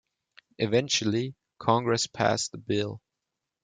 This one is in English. Eventually, Congress passed the bill.